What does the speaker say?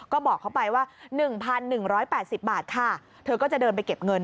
ก็บอกเขาไปว่า๑๑๘๐บาทค่ะเธอก็จะเดินไปเก็บเงิน